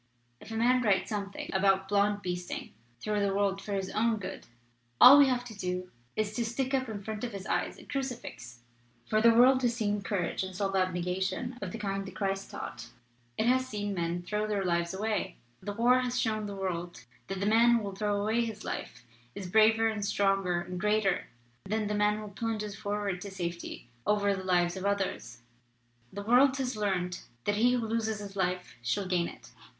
If a man writes something about blond beasting through the world for his own good, all we have to do is to stick up in front of his eyes a crucifix. For the world has seen courage and self abnegation of the kind that Christ taught it has seen men 297 LITERATURE IN THE MAKING throw their lives away. The war has shown the world that the man who will throw away his life is braver and stronger and greater than the man who plunges forward to safety over the lives of others. The world has learned that he who loses his life shall gain it.